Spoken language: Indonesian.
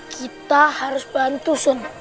kita harus bantu sun